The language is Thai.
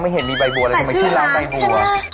ไม่เห็นมีใบบัวอะไรทำไมชื่อร้านใบบัวแต่ชื่อร้านชนะ